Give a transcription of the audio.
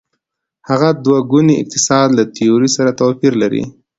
هغه دوه ګونی اقتصاد له تیورۍ سره توپیر لري.